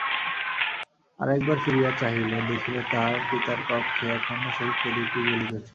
আর একবার ফিরিয়া চাহিল, দেখিল তাহার পিতার কক্ষে এখনো সেই প্রদীপটি জ্বলিতেছে।